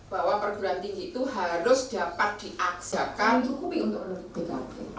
bahwa perguruan tinggi itu harus dapat diaksakan cukupi untuk berguruan tinggi